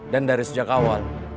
dan dari sejak awal